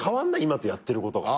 今とやってることが。